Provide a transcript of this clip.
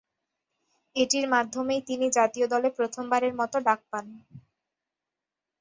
এটির মাধ্যমেই তিনি জাতীয় দলে প্রথমবারের মতো ডাক পান।